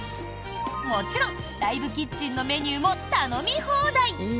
もちろんライブキッチンのメニューも頼み放題！